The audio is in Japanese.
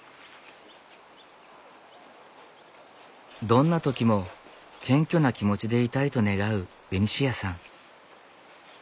どんな時も謙虚な気持ちでいたいと願うベニシアさん。